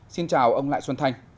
xin chào ông lại xuân thanh